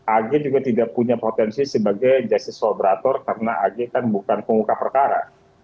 ag juga tidak punya potensi sebagai justice collaborator karena ag kan bukan penguka perkara